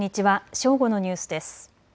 正午のニュースです。